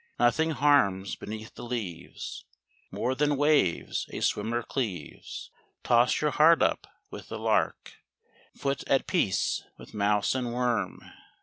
Nothing harms beneath the leaves More than waves a swimmer cleaves, Toss your heart up with the lark, Foot at peace with mouse and worm.